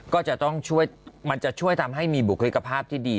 ก็จะช่วยทำให้มีบุคลิกภาพที่ดี